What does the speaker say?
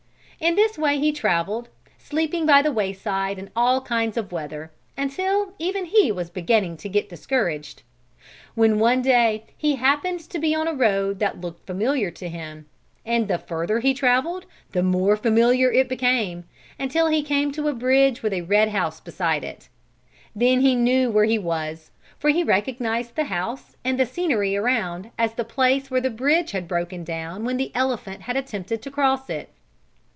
In this way he traveled, sleeping by the wayside in all kinds of weather, until even he was beginning to get discouraged. When one day he happened on a road that looked familiar to him, and the further he traveled, the more familiar it became, until he came to a bridge with a red house beside it. Then he knew where he was for he recognized the house and the scenery around as the place where the bridge had broken down when the elephant had attempted to cross it.